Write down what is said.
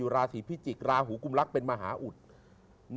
ราศีพิจิกษ์ราหูกุมลักษณ์เป็นมหาอุทธิ์